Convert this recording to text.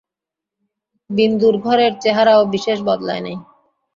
বিন্দুর ঘরের চেহারাও বিশেষ বদলায় নাই।